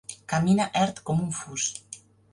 Camina ert com un fus.